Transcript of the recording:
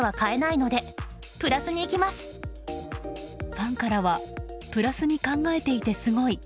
ファンからはプラスに考えていてすごい！